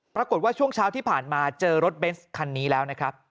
ปรากฏว่าช่วงเช้าที่ผ่านมาเจอรถเบนส์คันนี้แล้ว